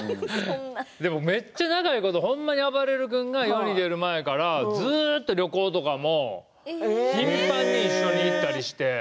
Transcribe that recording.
でもめっちゃ長いことあばれる君が世に出る前からずっと旅行とかも一緒に行ったりして。